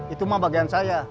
itu mah bagian saya